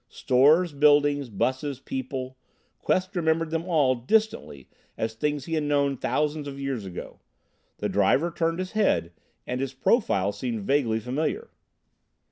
Stores, buildings, buses, people Quest remembered them all distantly as things he had known thousands of years ago. The driver turned his head, and his profile seemed vaguely familiar.